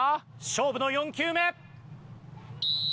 勝負の４球目。